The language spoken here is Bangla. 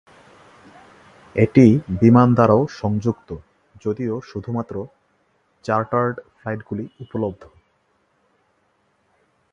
এটি বিমান দ্বারাও সংযুক্ত, যদিও শুধুমাত্র চার্টার্ড ফ্লাইটগুলি উপলব্ধ।